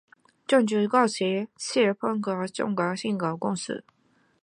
中裕与浩鼎都是润泰总裁尹衍梁投资的公司。